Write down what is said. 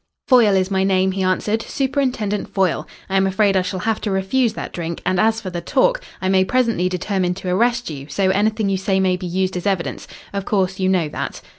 "Foyle is my name," he answered "Superintendent Foyle. I am afraid I shall have to refuse that drink, and as for the talk, I may presently determine to arrest you, so anything you say may be used as evidence. Of course you know that."